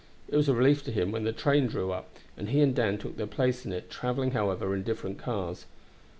It was a relief to him when the train drew up, and he and Dan took their place in it, traveling, however, in different cars.